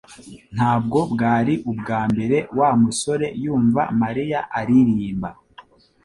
Ntabwo bwari ubwa mbere Wa musore yumva Mariya aririmba